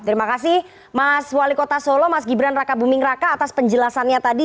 terima kasih mas wali kota solo mas gibran raka buming raka atas penjelasannya tadi